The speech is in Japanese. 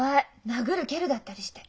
殴る蹴るだったりして。